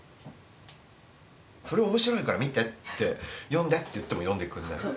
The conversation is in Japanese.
「それ面白いから見て」って「読んで」って言っても読んでくれない。